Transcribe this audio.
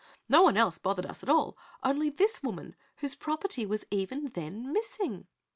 No one else bothered us at all; only this woman whose property was even then missing."